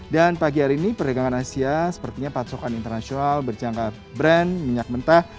dan pagi hari ini perdagangan asia sepertinya patokan internasional berjangka brand minyak mentah